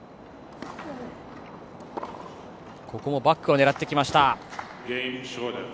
バックを狙ってきました。